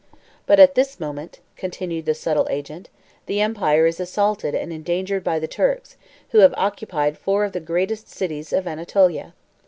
But at this moment," continued the subtle agent, "the empire is assaulted and endangered by the Turks, who have occupied four of the greatest cities of Anatolia.